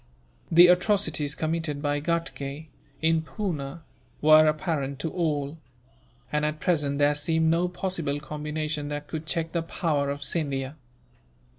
The atrocities committed by Ghatgay, in Poona, were apparent to all; and at present there seemed no possible combination that could check the power of Scindia.